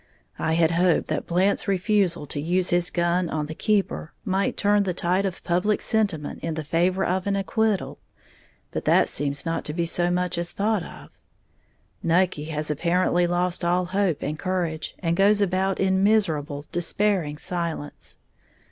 I had hoped that Blant's refusal to use his gun on the keeper might turn the tide of public sentiment in favor of an acquittal; but that seems not to be so much as thought of. Nucky has apparently lost all hope and courage, and goes about in miserable, despairing silence.